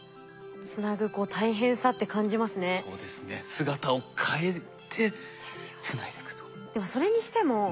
姿を変えてつないでいくと。